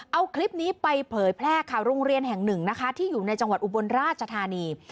เอาคลิปนี้ไปเผยแพร่ค่ะโรงเรียนแห่งหนึ่งนะคะที่อยู่ในจังหวัดอุบลราชธานี